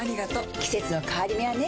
季節の変わり目はねうん。